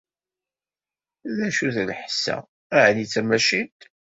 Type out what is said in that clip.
D acu-t lḥess-a? ɛni d tamacint?